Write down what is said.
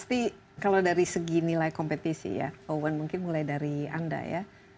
pasti kalau dari segi nilai kompetisi ya owen mungkin mulai dari anda ya